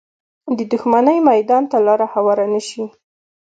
د دښمنۍ میدان ته لاره هواره نه شي